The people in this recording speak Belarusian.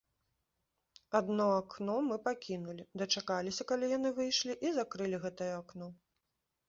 Адно акно мы пакінулі, дачакаліся, калі яны выйшлі, і закрылі гэтае акно.